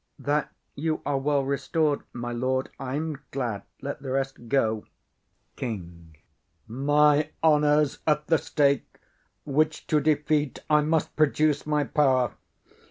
That you are well restor'd, my lord, I am glad. Let the rest go. KING. My honour's at the stake, which to defeat, I must produce my power.